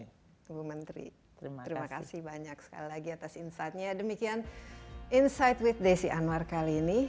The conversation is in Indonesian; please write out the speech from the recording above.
oke tuhan menteri terima kasih banyak sekali lagi atas insight nya demikian insight with desi anwar kali ini